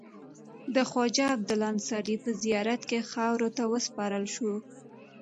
د خواجه عبدالله انصاري په زیارت کې خاورو ته وسپارل شو.